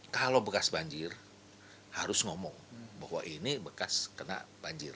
kalau bekas banjir harus ngomong bahwa ini bekas kena banjir